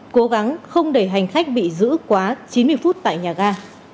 cố gắng không để hành khách bị giữ quá chín mươi phút tại nhà ga